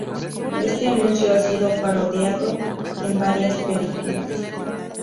Este anuncio ha sido parodiado en varias películas.